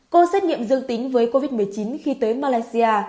có xét nghiệm dương tính với covid một mươi chín khi tới malaysia